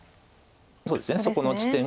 そうですねそこの地点が。